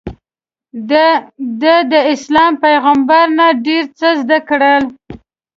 ده داسلام پیغمبر نه ډېر څه زده کړل.